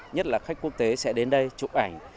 nhất là khách quốc tế sẽ đến đây chụp ảnh